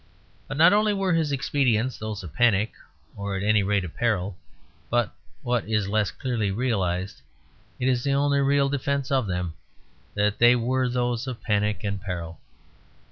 But not only were his expedients those of panic, or at any rate of peril, but (what is less clearly realized) it is the only real defence of them that they were those of panic and peril.